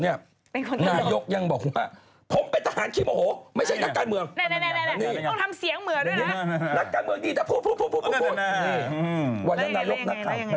นายุ๊กยังบอกคุณภาพ